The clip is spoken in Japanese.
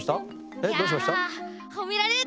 えっどうしました？